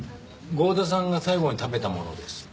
郷田さんが最後に食べたものです。